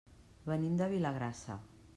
Venim de Vilagrassa.